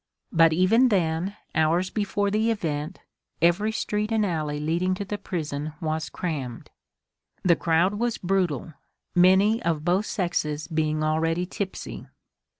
But even then, hours before the event, every street and alley leading to the prison was crammed. The crowd was brutal, many of both sexes being already tipsy.